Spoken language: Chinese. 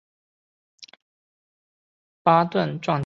巴顿撞击坑